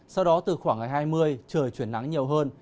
sau đó từ khoảng ngày hai mươi trời chuyển nắng nhiều hơn